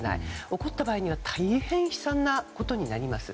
起こった場合には大変悲惨なことになります。